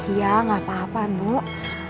iya gak apa apa bu